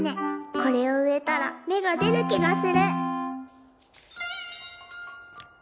これを植えたら芽が出る気がする。